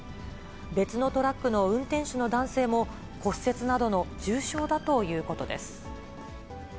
別のトラックの運転手の男性も、骨折などの重傷だということです。